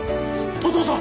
お父さん！